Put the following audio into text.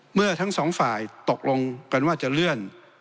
เมื่อทั้งสองฝ่ายตกลงกันว่าจะเลื่อน